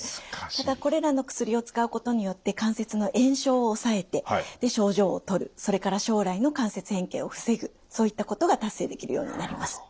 ただこれらの薬を使うことによって関節の炎症を抑えて症状をとるそれから将来の関節変形を防ぐそういったことが達成できるようになります。